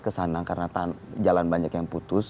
kesana karena jalan banyak yang putus